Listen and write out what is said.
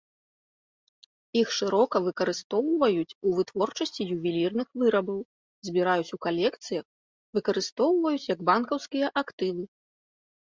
Іх шырока выкарыстоўваюць у вытворчасці ювелірных вырабаў, збіраюць у калекцыях, выкарыстоўваюць як банкаўскія актывы.